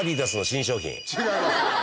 違います。